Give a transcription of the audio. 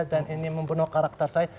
dan ini membunuh karakter saya